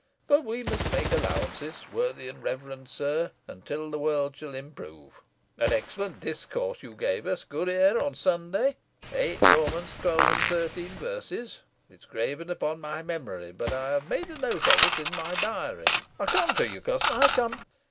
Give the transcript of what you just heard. But we must make allowances, worthy and reverend sir, until the world shall improve. An excellent discourse you gave us, good sir, on Sunday: viii. Rom. 12 and 13 verses: it is graven upon my memory, but I have made a note of it in my diary. I come to you, cousin, I come.